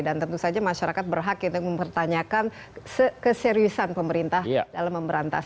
dan tentu saja masyarakat berhak itu mempertanyakan keseriusan pemerintah dalam memberantas